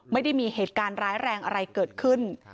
ไม่ได้มีเหตุการณ์ร้ายแรงอะไรเกิดขึ้น